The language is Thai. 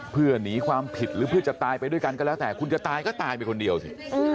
เพื่อหนีความผิดหรือเพื่อจะตายไปด้วยกันก็แล้วแต่คุณจะตายก็ตายไปคนเดียวสิ